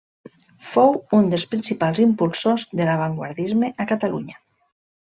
Fou un dels principals impulsors de l'avantguardisme a Catalunya.